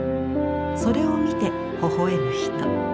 それを見てほほ笑む人。